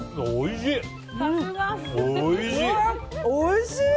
おいしい！